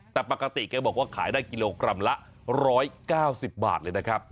แต่ปกติแกบอกว่าขายได้กิโลกรัมละ๑๙๐บาทเลยนะครับ